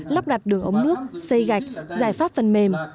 lắp đặt đường ống nước xây gạch giải pháp phần mềm